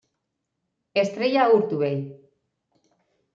Estrella Urtubey.